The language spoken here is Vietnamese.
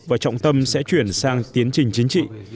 và trọng tâm sẽ chuyển sang tiến trình chính trị